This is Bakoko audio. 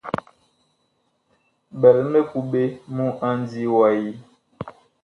Bɛl mikuɓe mu a ndii wa yi.